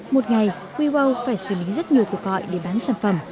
một ngày wew phải xử lý rất nhiều cuộc gọi để bán sản phẩm